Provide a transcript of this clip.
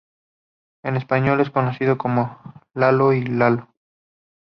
En español es conocido como Lalo y Lola.